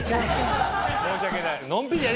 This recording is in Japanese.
申し訳ない。